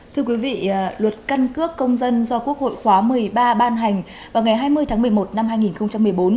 thưa quý vị luật căn cước công dân do quốc hội khóa một mươi ba ban hành vào ngày hai mươi tháng một mươi một năm hai nghìn một mươi bốn